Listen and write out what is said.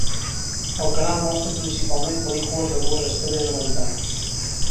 El canal mostra principalment pel·lícules de dues estrelles americanes.